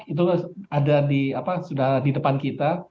itu ada di apa sudah di depan kita